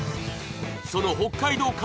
その北海道